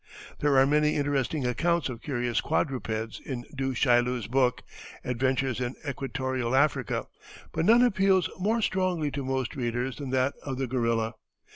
There are many interesting accounts of curious quadrupeds in Du Chaillu's book, "Adventures in Equatorial Africa," but none appeals more strongly to most readers than that of the gorilla.